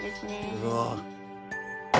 うわ。